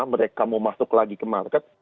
mereka mau masuk lagi ke market